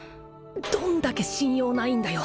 どんだけ信用ないんだよ